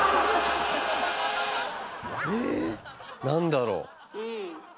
何だろう？